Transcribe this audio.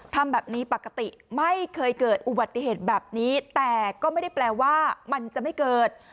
ทำแบบนี้ปกติไม่เคยเกิดอุบัติเหตุแบบนี้แต่ก็ไม่ได้แปลว่ามันจะไม่เกิด